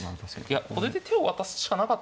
いやこれで手を渡すしかなかったです。